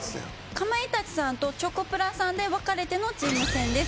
かまいたちさんとチョコプラさんで分かれてのチーム戦です。